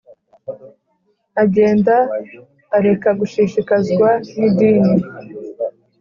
agenda areka gushishikazwa n’idini